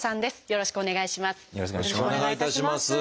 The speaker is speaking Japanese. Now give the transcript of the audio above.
よろしくお願いします。